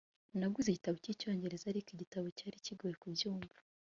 naguze igitabo cyicyongereza, ariko igitabo cyari kigoye kubyumva